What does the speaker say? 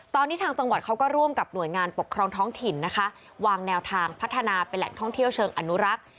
ตอนนี้ทางจังหวัดเขาก็ร่วมกับหน่วยงานปกครองท้องถิ่นนะคะวางแนวทางพัฒนาเป็นแหล่งท่องเที่ยวเชิงอนุรักษ์